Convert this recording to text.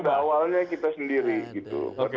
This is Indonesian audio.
pada awalnya kita sendiri gitu